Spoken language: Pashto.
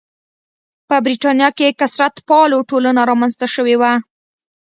په برېټانیا کې کثرت پاله ټولنه رامنځته شوې وه.